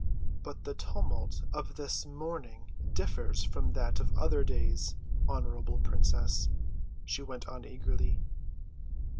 "But the tumult of this morning differs from that of other days, honorable princess," she went on eagerly.